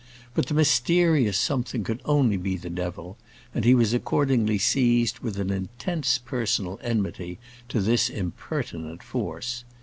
But the mysterious something could only be the devil, and he was accordingly seized with an intense personal enmity to this impertinent force.